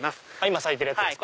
今咲いてるやつですか。